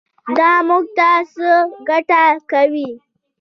دا موږ ته څه ګټه کوي.